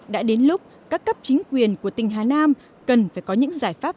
đã đến lúc các cấp chính quyền của tỉnh hà nam cần phải có những giải pháp